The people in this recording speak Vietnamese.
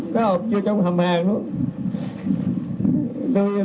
cái hộp chưa trong hầm hàng nữa